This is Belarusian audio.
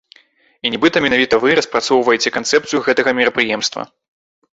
І нібыта менавіта вы распрацоўваеце канцэпцыю гэтага мерапрыемства.